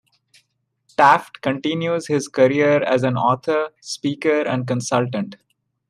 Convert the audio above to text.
Taft continues his career as an author, speaker, and consultant.